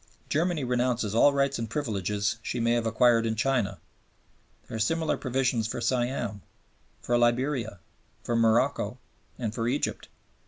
Germany renounces all rights and privileges she may have acquired in China. There are similar provisions for Siam, for Liberia, for Morocco, and for Egypt.